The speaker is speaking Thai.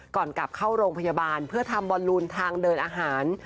ก่อนกลับเข้าโรงพยาบาลเพื่อทำบอลลูนทางเดินอาหาร